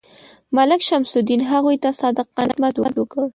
ملک شمس الدین هغوی ته صادقانه خدمت وکړ.